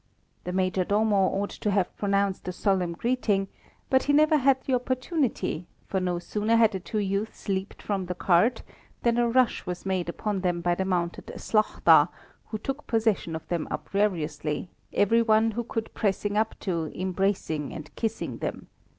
The Major Domo ought to have pronounced a solemn greeting; but he never had the opportunity, for no sooner had the two youths leaped from the cart, than a rush was made upon them by the mounted Szlachta, who took possession of them uproariously, every one who could pressing up to, embracing, and kissing them.